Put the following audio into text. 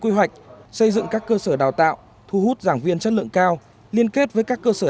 quy hoạch xây dựng các cơ sở đào tạo thu hút giảng viên chất lượng cao liên kết với các cơ sở